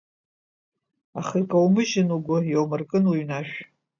Аха икоумыжьын угәы, иаумыркын уҩнашә.